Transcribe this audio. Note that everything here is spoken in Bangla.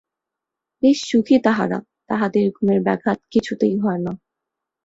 বেশ সুখী তাহারা! তাহাদের ঘুমের ব্যাঘাত কিছুতেই হয় না।